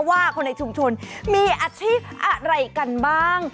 ว่าคนในชุมชนมีอาชีพอะไรกันบ้าง